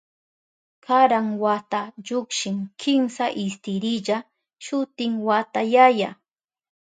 Karan wata llukshin kimsa istirilla, shutin wata yaya.